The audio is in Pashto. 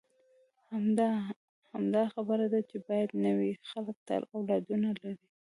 همدا، همدا خبره ده چې باید نه وي، خلک تل اولادونه لري.